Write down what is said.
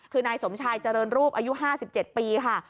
คือนายสมชายเจริญรูปอายุ๕๗ปีค่ะ